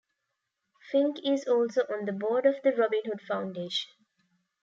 Fink is also on the board of the Robin Hood Foundation.